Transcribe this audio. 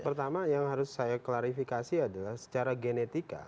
pertama yang harus saya klarifikasi adalah secara genetika